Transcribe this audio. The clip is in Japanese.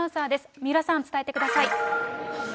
三浦さん、伝えてください。